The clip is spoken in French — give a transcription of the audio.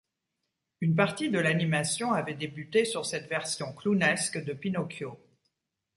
Une partie de l'animation avait débuté sur cette version clownesque de Pinocchio.